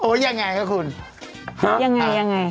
โอ้ยยังไงคะคุณยังไง